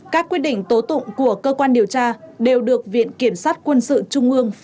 các quy định tố tụng của cơ quan điều tra đều được viện kiểm soát bộ quốc phòng